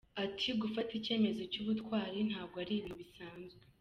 Ati “Gufata icyemezo cy’ubutwari ntago ari ibintu bisanzwe.